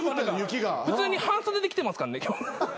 普通に半袖で来てますからね。